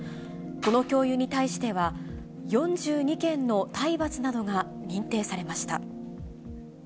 この教諭に対しては、４２件の体罰などが認定されました。